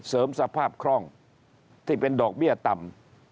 สภาพคล่องที่เป็นดอกเบี้ยต่ำ